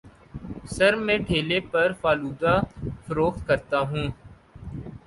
سر میں ٹھیلے پر فالودہ فروخت کرتا ہوں